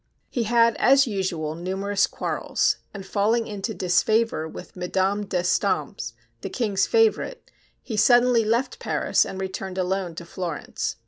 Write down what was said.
He had as usual numerous quarrels, and falling into disfavor with Madame d'Estampes, the King's favorite, he suddenly left Paris and returned alone to Florence.